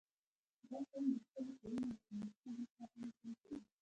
• دا قوم د خپلې ټولنې د پرمختګ لپاره هلې ځلې کوي.